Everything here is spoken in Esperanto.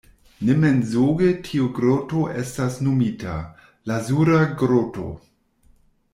Ne mensoge tiu groto estas nomita: lazura groto.